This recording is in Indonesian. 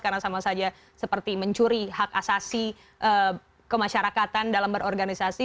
karena sama saja seperti mencuri hak asasi kemasyarakatan dalam berorganisasi